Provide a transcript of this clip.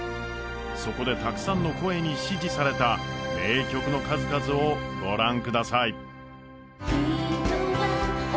そこでたくさんの声に支持された名曲の数々を御覧ください。